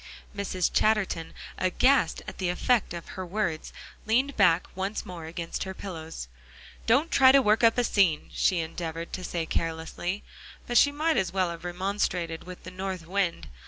Mrs. Chatterton, aghast at the effect of her words, leaned back once more against her pillows. "Don't try to work up a scene," she endeavored to say carelessly. But she might as well have remonstrated with the north wind.